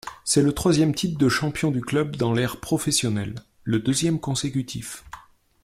C’est le troisième titre de champion du club dans l’ère professionnelle, le deuxième consécutif.